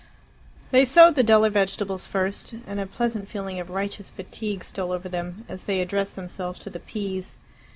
They sowed the duller vegetables first, and a pleasant feeling of righteous fatigue stole over them as they addressed themselves to the peas.